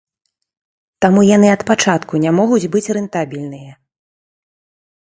Таму яны ад пачатку не могуць быць рэнтабельныя.